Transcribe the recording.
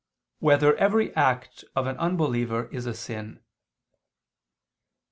4] Whether Every Act of an Unbeliever Is a Sin?